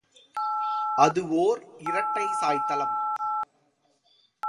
அது ஒர் இரட்டைச் சாய்தளம்.